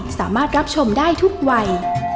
สามารถรับชมได้ทุกวัย